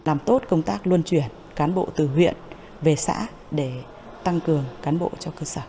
làm tốt công tác luân chuyển cán bộ từ huyện về xã để tăng cường cán bộ cho cơ sở